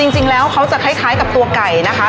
จริงแล้วเขาจะคล้ายกับตัวไก่นะคะ